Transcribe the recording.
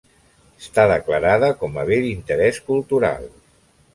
Està declarada com a Bé d'Interés Cultural.